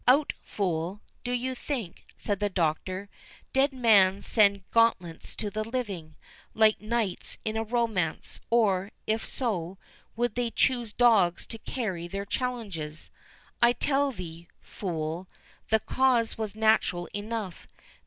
"Out, fool! Do you think," said the Doctor, "dead men send gauntlets to the living, like knights in a romance; or, if so, would they choose dogs to carry their challenges? I tell thee, fool, the cause was natural enough.